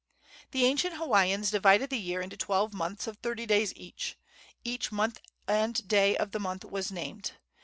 The ancient Hawaiians divided the year into twelve months of thirty days each. Each month and day of the month was named.